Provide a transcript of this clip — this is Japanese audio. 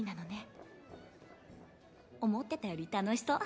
アナ：思ってたより楽しそう。